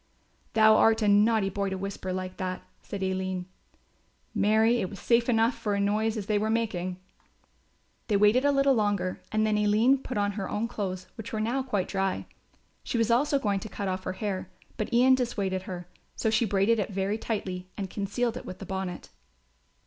"Thou art a naughty boy to whisper like that," said Aline. "Marry, it was safe enough for such a noise as they were making." They waited a little longer and then Aline put on her own clothes which were now quite dry. She was also going to cut off her hair, but Ian dissuaded her; so she braided it very tightly and concealed it with the bonnet.